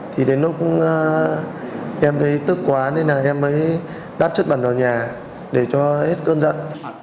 thì đến lúc em thấy tức quá nên là em mới đáp chất bẩn vào nhà để cho ít cơn giận